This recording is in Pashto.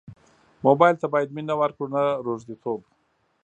موبایل ته باید مینه ورکړو نه روږديتوب.